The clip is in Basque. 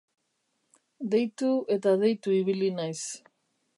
Deitu eta deitu ibili naiz.